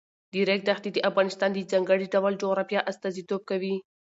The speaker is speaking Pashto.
د ریګ دښتې د افغانستان د ځانګړي ډول جغرافیه استازیتوب کوي.